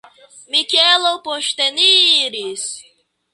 Mikelo posteniris.